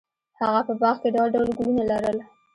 هغه په باغ کې ډول ډول ګلونه لرل.